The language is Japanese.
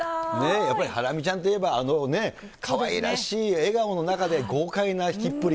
やっぱりハラミちゃんといえば、あのね、かわいらしい笑顔の中で豪快な弾きっぷり。